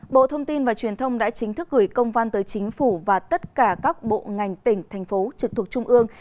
bộ thông tin và truyền thông đã chính thức gửi công văn tới chính phủ và tất cả các bộ ngành tỉnh thành phố trực thuộc trung ương